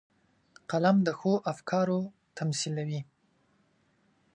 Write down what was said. قلم د ښو افکارو تمثیلوي